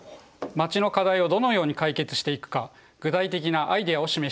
街の課題をどのように解決していくか具体的なアイデアを示しています。